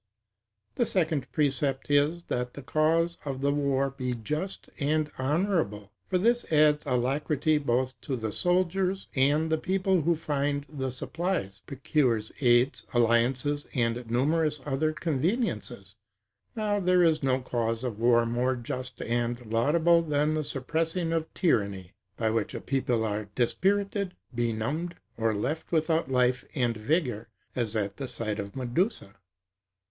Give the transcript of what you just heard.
The second precept is, that the cause of the war be just and honorable; for this adds alacrity both to the soldiers, and the people who find the supplies; procures aids, alliances, and numerous other conveniences. Now there is no cause of war more just and laudable than the suppressing of tyranny; by which a people are dispirited, benumbed, or left without life and vigor, as at the sight of Medusa.